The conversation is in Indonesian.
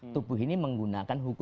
tubuh ini menggunakan